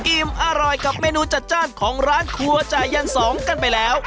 อิ่มอร่อยกับเมนูจัดจ้านของร้านครัวจ่ายันสองกันไปแล้ว